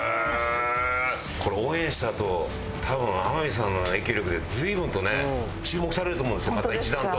これオンエアしたあと多分天海さんの影響力で随分とね注目されると思うんですよまた一段と。